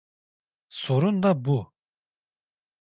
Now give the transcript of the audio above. Sorun da bu.